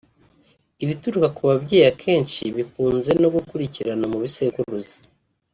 Ibituruka ku babyeyi akenshi bikunze no gukurikirana mu bisekuruza